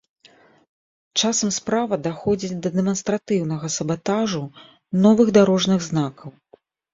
Часам справа даходзіць да дэманстратыўнага сабатажу новых дарожных знакаў.